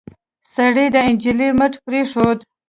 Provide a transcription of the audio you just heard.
سړي د نجلۍ مټ پرېښود.